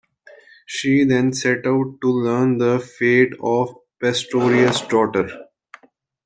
She then set out to learn the fate of Pastoria's daughter.